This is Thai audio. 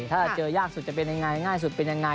ถ้าเจอยากสุดจะเป็นยังไงง่ายสุดเป็นยังไง